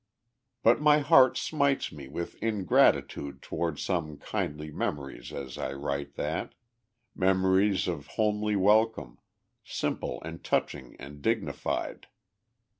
But my heart smites me with ingratitude toward some kindly memories as I write that memories of homely welcome, simple and touching and dignified.